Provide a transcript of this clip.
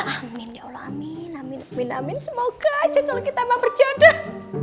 amin ya allah amin amin amin amin semoga aja kalau kita emang berjodoh